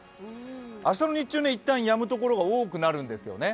明日の日中、一旦やむところが多くなるんですよね。